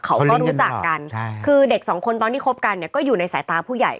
เขาก็รู้จักกันคือเด็กสองคนตอนที่คบกันเนี่ยก็อยู่ในสายตาผู้ใหญ่